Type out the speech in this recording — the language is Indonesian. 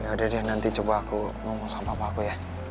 ya udah deh nanti coba aku ngomong sama papa aku ya